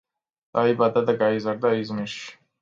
დაიბადა და გაიზარდა იზმირში.